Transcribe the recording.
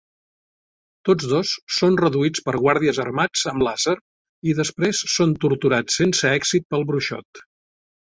Tots dos són reduïts per guàrdies armats amb làser i després són torturats sense èxit pel bruixot.